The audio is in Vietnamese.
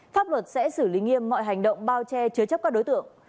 pháp luật sẽ xử lý nghiêm mọi hành động bao che chứa chấp các đối tượng